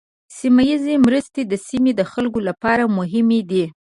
سیمه ایزه مرستې د سیمې د خلکو لپاره مهمې دي.